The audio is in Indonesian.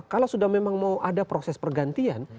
kalau sudah memang mau ada proses pergantian